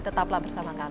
tetaplah bersama kami